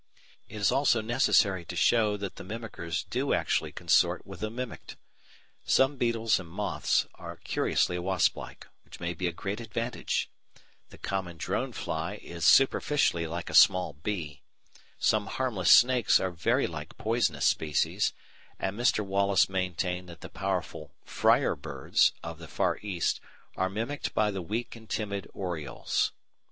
It is also necessary to show that the mimickers do actually consort with the mimicked. Some beetles and moths are curiously wasplike, which may be a great advantage; the common drone fly is superficially like a small bee; some harmless snakes are very like poisonous species; and Mr. Wallace maintained that the powerful "friar birds" of the Far East are mimicked by the weak and timid orioles.